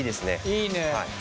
いいね。